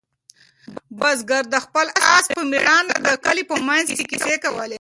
بزګر د خپل آس په مېړانه د کلي په منځ کې کیسې کولې.